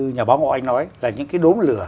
nhà báo của anh nói là những cái đốm lửa